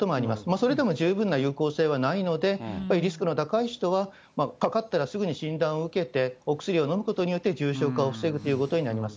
それでも十分な有効性はないので、やっぱりリスクの高い人は、かかったらすぐに診断を受けて、お薬を飲むことによって重症化を防ぐということになります。